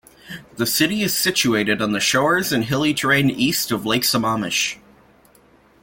The city is situated on the shores and hilly terrain east of Lake Sammamish.